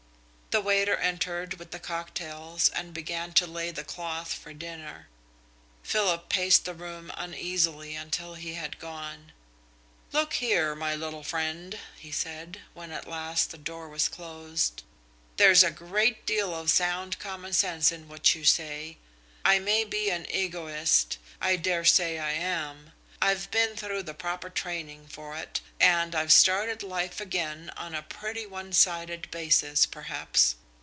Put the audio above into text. The waiter entered with the cocktails and began to lay the cloth for dinner. Philip paced the room uneasily until he had gone. "Look here, my little friend," he said, when at last the door was closed, "there's a great deal of sound common sense in what you say. I may be an egoist I dare say I am. I've been through the proper training for it, and I've started life again on a pretty one sided basis, perhaps.